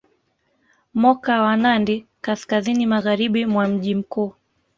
Moka wa Nandi kaskazini magharibi mwa mji mkuu